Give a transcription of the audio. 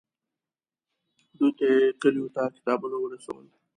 دوی ته یې کلیو ته کتابونه ورسول.